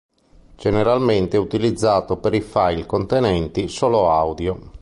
Generalmente è utilizzata per i file contenenti solo audio.